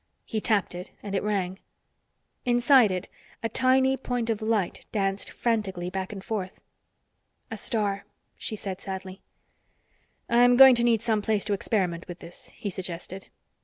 He tapped it, and it rang. Inside it, a tiny point of light danced frantically back and forth. "A star," she said sadly. "I'm going to need some place to experiment with this," he suggested.